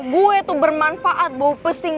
gue tuh bermanfaat bau pusing